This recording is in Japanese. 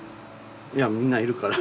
みんないるから。